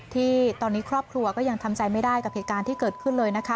ที่ตอนนี้ครอบครัวก็ยังทำใจไม่ได้กับเหตุการณ์ที่เกิดขึ้นเลยนะคะ